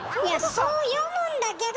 そう読むんだけど！